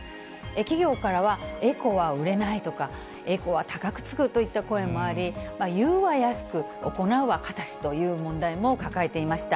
企業からは、エコは売れないとか、エコは高くつくといった声もあり、言うはやすく、行うは難しという問題も抱えていました。